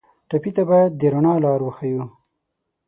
ټپي ته باید د رڼا لار وښیو.